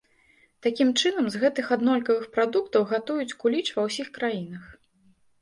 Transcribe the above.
Такім чынам з гэтых аднолькавых прадуктаў гатуюць куліч ва ўсіх краінах.